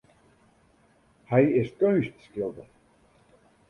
Hy is keunstskilder.